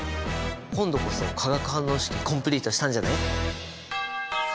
今度こそ化学反応式コンプリートしたんじゃない？